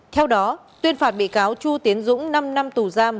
theo đó tuyên phạt bị cáo chu tiến dũng năm năm tù giam